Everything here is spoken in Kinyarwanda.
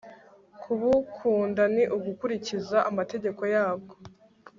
kubukunda ni ugukurikiza amategeko yabwo